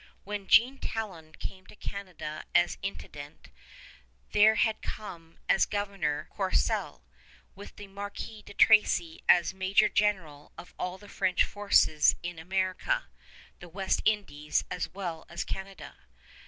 When Jean Talon came to Canada as intendant, there had come as governor Courcelle, with the Marquis de Tracy as major general of all the French forces in America, the West Indies as well as Canada.